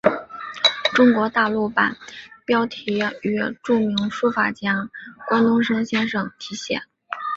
中国大陆版标题由著名书法家关东升先生提写。